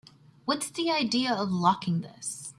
What's the idea of locking this?